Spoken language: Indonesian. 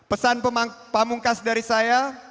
pesan pamungkas dari saya